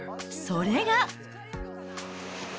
それが。